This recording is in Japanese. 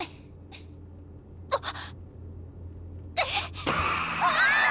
あっ！